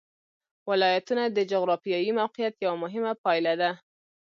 ولایتونه د جغرافیایي موقیعت یوه مهمه پایله ده.